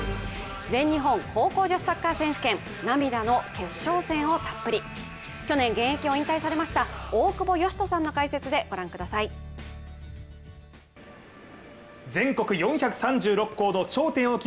全日本高校女子サッカー選手権、涙の決勝をたっぷり去年、現役を引退されました大久保嘉人さんの解説で御覧ください。